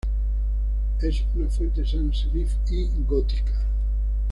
Es una fuente sans-serif y gótica.